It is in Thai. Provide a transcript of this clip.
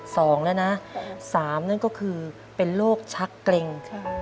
สองแล้วนะสามนั่นก็คือเป็นโรคชักเกร็ง